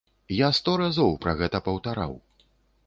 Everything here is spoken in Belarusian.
Я сто разоў пра гэта паўтараў.